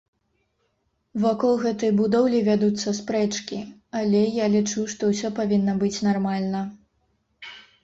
Вакол гэтай будоўлі вядуцца спрэчкі, але, я лічу, што ўсё павінна быць нармальна.